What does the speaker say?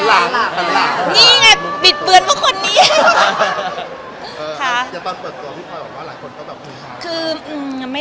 เขาก็จะบอกแบบแนวนี้มากกว่า